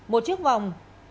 một chiếc vòng